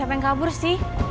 siapa yang kabur sih